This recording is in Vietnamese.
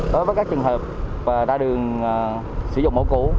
đối với các trường hợp mà ra đường sử dụng mẫu cũ